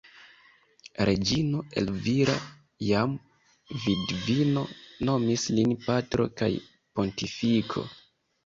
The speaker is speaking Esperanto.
Reĝino Elvira, jam vidvino, nomis lin "patro kaj pontifiko".